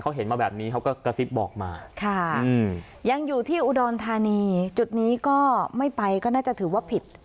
เขาเห็นมาแบบนี้เขาก็กระซิบบอกมายังอยู่ที่อุดรธานีจุดนี้ก็ไม่ไปก็น่าจะถือว่าผิด